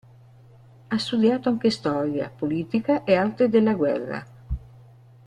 Ha studiato anche storia, politica e arte della guerra.